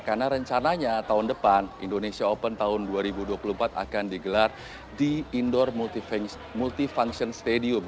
karena rencananya tahun depan indonesia open tahun dua ribu dua puluh empat akan digelar di indoor multifunction stadium